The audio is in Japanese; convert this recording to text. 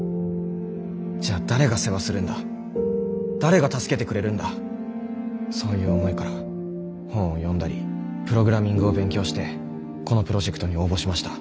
じゃあ誰が世話するんだ誰が助けてくれるんだそういう思いから本を読んだりプログラミングを勉強してこのプロジェクトに応募しました。